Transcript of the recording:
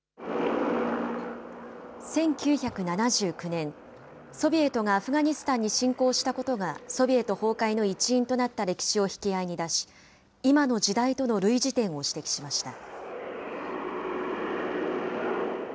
１９７９年、ソビエトがアフガニスタンに侵攻したことがソビエト崩壊の一因となった歴史を引き合いに出し、今の時代との類似点を指摘しました。